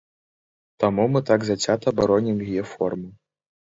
Таму мы так зацята баронім яе форму.